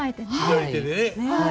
左手でね。